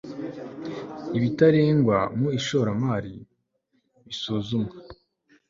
ibitarengwa mu ishoramari bisuzumwa